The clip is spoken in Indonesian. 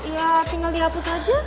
ya tinggal dihapus aja